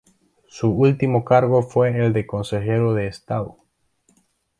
Su último cargo fue el de consejero de estado.